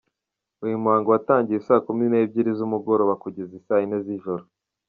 Uyu muhango watangiye isaa kumi n’ebyiri z’umugoroba kugeza isaa yine z’ijoro.